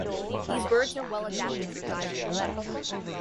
These birds are well adapted for diving.